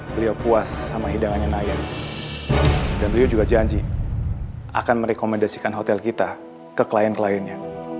beliau puas sama hidangannya naya dan beliau juga janji akan merekomendasikan hotel kita ke klien kliennya